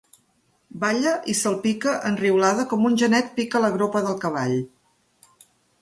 Balla i se'l pica, enriolada, com un genet pica la gropa del cavall.